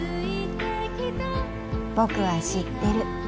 「ぼくは知ってる」